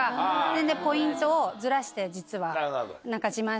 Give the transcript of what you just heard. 全然ポイントをずらして実は。